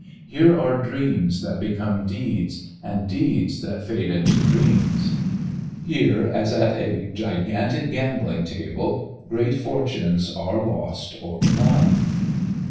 Here are dreams that become deeds and deeds that fade into dreams. Here, as at a gigantic gambling table, great fortunes are lost or won.